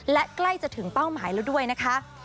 และใกล้จะถึงเป้าหมายแล้วด้วยนะคะ